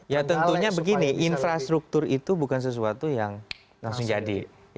ya tentunya begini infrastruktur itu bukan sesuatu yang langsung jadi